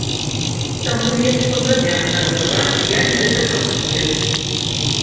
Таму лепш падрабязна разабрацца, як гэта працуе.